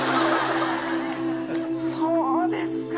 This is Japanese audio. そうですか。